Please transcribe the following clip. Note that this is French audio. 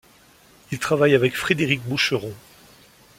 Il travaille avec Frédéric Boucheron.